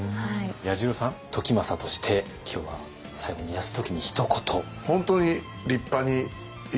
彌十郎さん時政として今日は最後に泰時にひと言。